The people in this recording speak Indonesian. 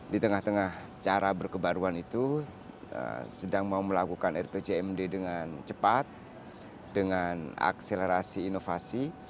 di tengah tengah cara berkebaruan itu sedang mau melakukan rpjmd dengan cepat dengan akselerasi inovasi